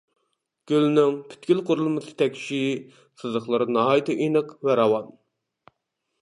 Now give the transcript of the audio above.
گۈلنىڭ پۈتكۈل قۇرۇلمىسى تەكشى، سىزىقلىرى ناھايىتى ئېنىق ۋە راۋان.